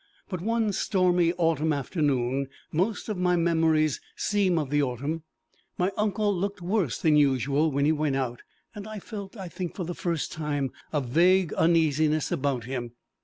But one stormy autumn afternoon most of my memories seem of the autumn my uncle looked worse than usual when he went out, and I felt, I think for the first time, a vague uneasiness about him.